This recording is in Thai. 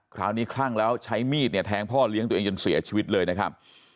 คลั่งแล้วใช้มีดเนี่ยแทงพ่อเลี้ยงตัวเองจนเสียชีวิตเลยนะครับ